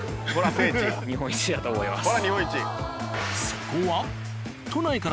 そこは。